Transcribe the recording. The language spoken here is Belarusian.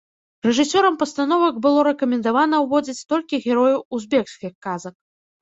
Рэжысёрам пастановак было рэкамендавана ўводзіць толькі герояў узбекскіх казак.